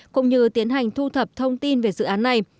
cũng như tiến hành thu thập thông tin về dự án này